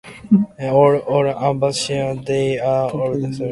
All Amavasya days are observed.